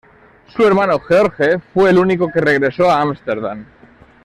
Su hermano George fue el único que regresó a Ámsterdam.